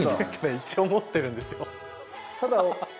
一応持ってるんですよ。